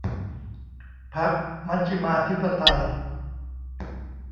พรรคมัชฌิมาธิปไตย